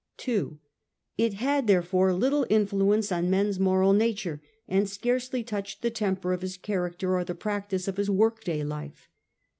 (2) It had therefore little influence on man's moral nature, and scarcely touched the temper of his character or the practice of his workday life.